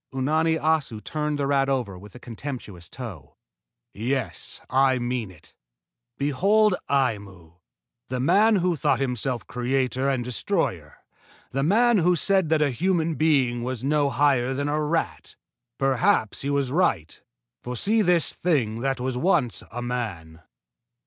Unani Assu turned the rat over with a contemptuous toe. "Yes, I mean it. Behold Aimu, the man who thought himself creator and destroyer the man who said that a human being was no higher than a rat! Perhaps he was right, for see this thing that was once a man!"